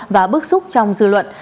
và bức xúc trong dư luận